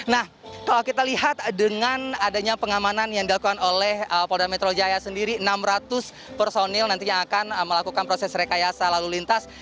nah kalau kita lihat dengan adanya pengamanan yang dilakukan oleh polda metro jaya sendiri enam ratus personil nantinya akan melakukan proses rekayasa lalu lintas